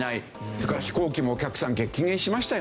それから飛行機もお客さん激減しましたよね。